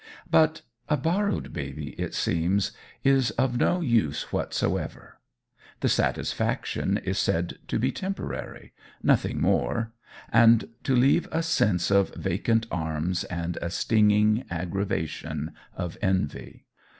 But a borrowed baby, it seems, is of no use whatsoever; the satisfaction is said to be temporary nothing more and to leave a sense of vacant arms and a stinging aggravation of envy.